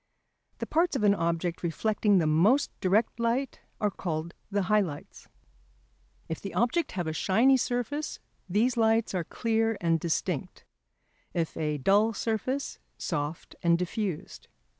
The parts of an object reflecting the most direct light are called the high lights. If the object have a shiny surface these lights are clear and distinct; if a dull surface, soft and diffused.